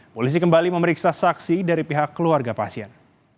polisi kembali memeriksa saksi dari pihak keluarga pasien